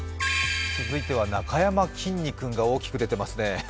続いては、なかやまきんに君が大きく出ていますね。